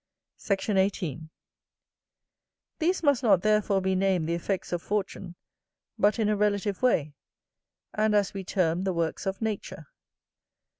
Sect. 18. These must not therefore be named the effects of fortune but in a relative way, and as we term the works of nature.